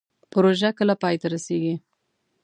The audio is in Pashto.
پروژه کله پای ته رسیږي؟